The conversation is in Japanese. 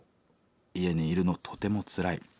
家に居るのとてもつらい」。